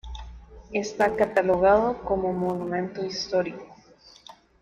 Está catalogado como monumento histórico.